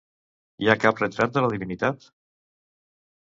Hi ha cap retrat de la divinitat?